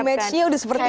image nya udah seperti itu